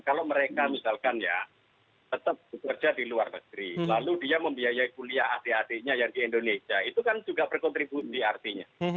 kalau mereka misalkan ya tetap bekerja di luar negeri lalu dia membiayai kuliah adik adiknya yang di indonesia itu kan juga berkontribusi artinya